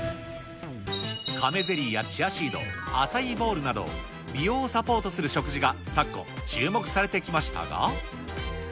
亀ゼリーやチアシード、アサイーボウルなど、美容をサポートする食事が昨今、注目されてきましたが。